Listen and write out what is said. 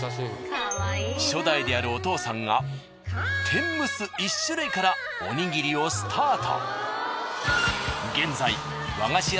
初代であるお父さんが天むす１種類からおにぎりをスタート。